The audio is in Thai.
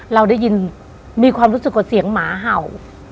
เราได้ยินมีความรู้สึกว่าเสียงหมาเห่า